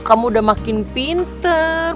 kamu udah makin pinter